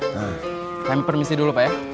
pak ya permisi dulu pak ya